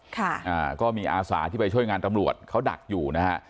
อ่าก็มีอาสาที่ไปช่วยงานตำรวจเขาดักอยู่นะฮะ